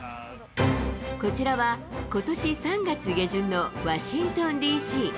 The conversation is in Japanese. こちらは、ことし３月下旬のワシントンＤＣ。